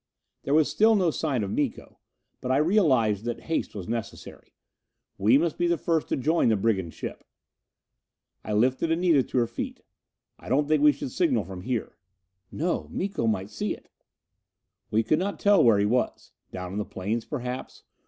There was still no sign of Miko. But I realized that haste was necessary. We must be the first to join the brigand ship. I lifted Anita to her feet. "I don't think we should signal from here." "No. Miko might see it." We could not tell where he was. Down on the plains, perhaps?